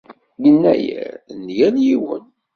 Yennayer n yal yiwen.